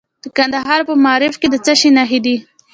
د کندهار په معروف کې د څه شي نښې دي؟